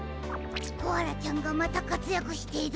コアラちゃんがまたかつやくしている。